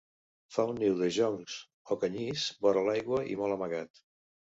Fa un niu de joncs o canyís vora l'aigua i molt amagat.